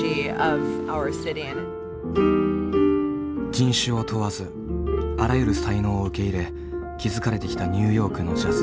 人種を問わずあらゆる才能を受け入れ築かれてきたニューヨークのジャズ。